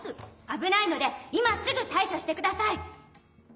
あぶないので今すぐたいしょしてください！